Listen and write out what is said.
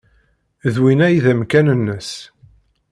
D win ay d amkan-nnes.